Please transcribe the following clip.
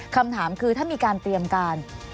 คำถามคือถ้ามีการเตรียมการ